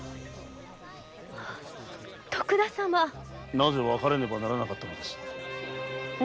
なぜ別れねばならなかったのです。